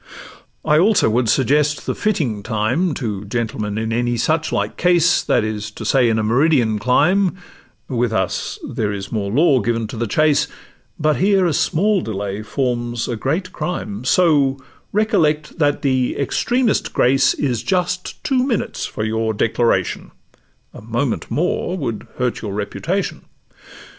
I also would suggest the fitting time To gentlemen in any such like case, That is to say in a meridian clime— With us there is more law given to the chase, But here a small delay forms a great crime: So recollect that the extremest grace Is just two minutes for your declaration— A moment more would hurt your reputation.